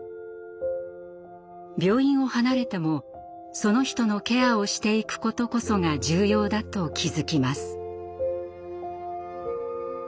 病院を離れてもその人のケアをしていくことこそが重要だと気付きます。